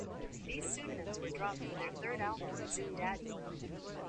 These pseudonyms were dropped for their third album, "Zoom Daddy".